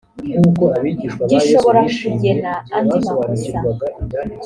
gishobora kugena andi makosa